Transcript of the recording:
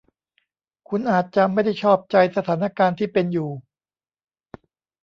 คุณอาจจะไม่ได้ชอบใจสถานการณ์ที่เป็นอยู่